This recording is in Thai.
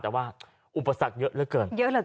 แต่ว่าอุปสรรคเยอะเยอะเกิน